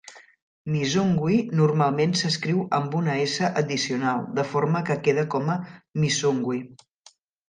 Misungwi normalment s'escriu amb una "s" addicional de forma que queda com a Missungwi.